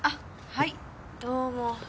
はいどうも。